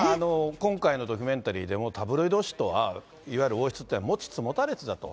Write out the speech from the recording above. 今回のドキュメンタリーでも、タブロイド紙とはいわゆる王室っていうのは、持ちつ持たれつだと。